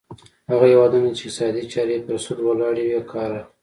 هغه هیوادونه چې اقتصادي چارې یې پر سود ولاړې وي کار اخلي.